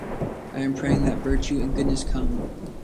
I am praying that virtue and goodness come.